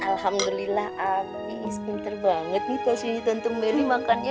alhamdulillah amiz binter banget nih tas ini tante naya